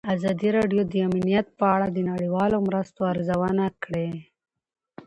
ازادي راډیو د امنیت په اړه د نړیوالو مرستو ارزونه کړې.